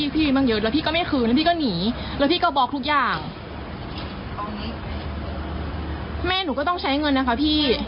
พี่ลูกตาลครับ